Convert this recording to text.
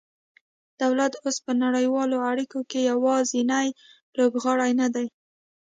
دولت اوس په نړیوالو اړیکو کې یوازینی لوبغاړی نه دی